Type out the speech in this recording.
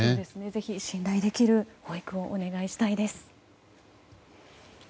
ぜひ、信頼できる保育をお願いしたいです。